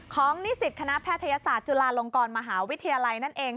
นิสิตคณะแพทยศาสตร์จุฬาลงกรมหาวิทยาลัยนั่นเอง